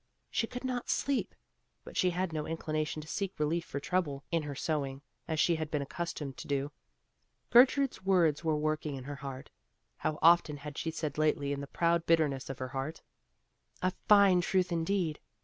She could not sleep, but she had no inclination to seek relief for trouble in her sewing, as she had been accustomed to do. Gertrude's words were working in her heart. How often had she said lately in the proud bitterness of her heart, "A fine truth indeed!